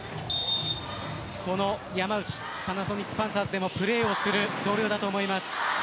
この山内パナソニックパンサーズでもプレーをする同僚だと思います。